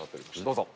どうぞ。